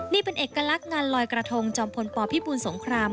นี่เป็นเอกลักษณ์งานลอยกระทงจอมพลปพิบูลสงคราม